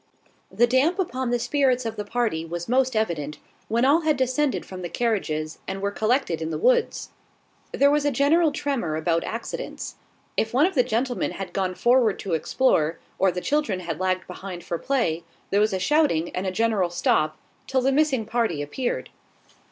The damp upon the spirits of the party was most evident, when all had descended from the carriages, and were collected in the woods. There was a general tremor about accidents. If one of the gentlemen had gone forward to explore, or the children had lagged behind for play, there was a shouting, and a general stop, till the missing party appeared.